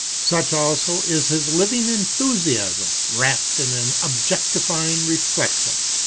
Such also is his living enthusiasm, wrapped in an objectifying reflec tion.